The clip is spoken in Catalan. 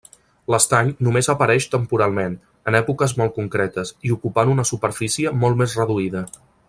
L'estany només apareix temporalment, en èpoques molt concretes, i ocupant una superfície molt més reduïda.